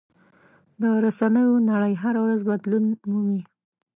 د رسنیو نړۍ هره ورځ بدلون مومي.